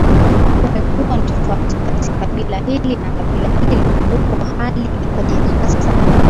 kumekuwa na tofauti kati ya kabila hili na kabila hili huko hali ikoje hasa